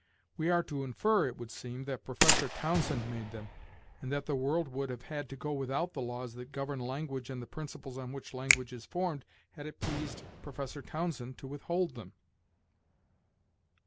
We are to infer, it would seem, that Professor Townsend made them, and that the world would have had to go without the laws that govern language and the principles on which language is formed had it pleased Professor Townsend to withhold them.